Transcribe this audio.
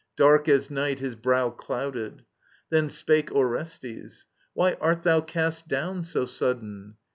Dark as night his brow Clouded. Then spake Orestes :Why art thou Cast down so sudden